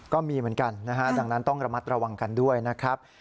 ก็มีเหมือนกันนะฮะดังนั้นต้องระมัดระวังกันด้วยนะครับ